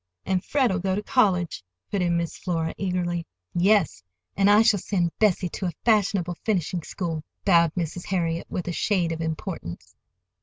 "And Fred'll go to college," put in Miss Flora eagerly. "Yes; and I shall send Bessie to a fashionable finishing school," bowed Mrs. Harriet, with a shade of importance.